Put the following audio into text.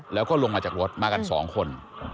แล้วก็ลงมาจากรถมากัน๒คน